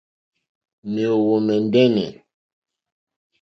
Mèóhwò mɛ̀ndɛ́nɛ̀.